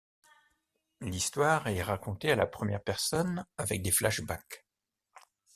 L'histoire est raconté à la première personne avec des flashback.